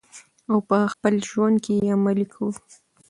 او په خپل ژوند کې یې عملي کړو.